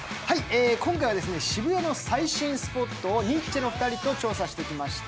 今回は渋谷の最新スポットをニッチェの二人と調査してきました。